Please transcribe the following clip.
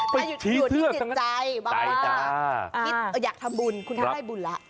ไปชี้เสื้อคำนั้นใจจ้าคิดอยากทำบุญคุณทำได้บุญแล้วครับ